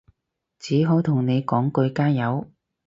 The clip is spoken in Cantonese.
只好同你講句加油